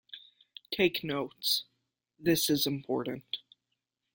Take notes; this is important.